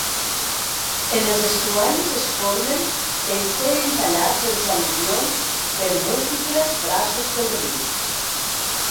En els estuaris es formen en ser entallats els al·luvions per múltiples braços del riu.